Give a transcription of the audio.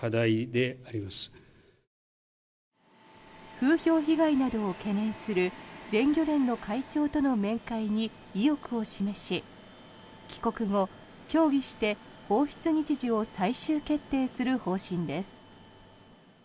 風評被害などを懸念する全漁連の会長との面会に意欲を示し帰国後、協議して放出日時を最終決定する方針です。